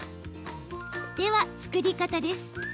では、作り方です。